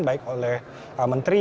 baik oleh menteri